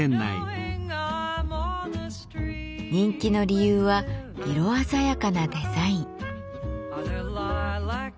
人気の理由は色鮮やかなデザイン。